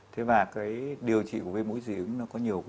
thế và điều trị của viêm mũi dị ứng có nhiều cơ hội